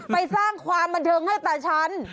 ไปสร้างความบันเทิงให้ตาฉัน